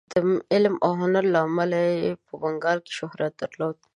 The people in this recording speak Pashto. د علم او هنر له امله یې په بنګال کې شهرت درلود.